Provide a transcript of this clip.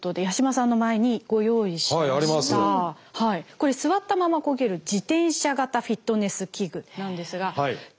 これ座ったままこげる自転車型フィットネス器具なんですが。